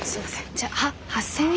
じゃあ８，０００円。